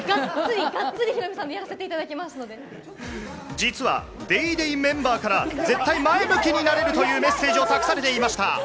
実は『ＤａｙＤａｙ．』メンバーから絶対前向きになれるというメッセージを託されていました。